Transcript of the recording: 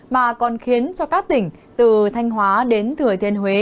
mà còn khiến cho các tỉnh từ thanh hóa đến thừa thiên huế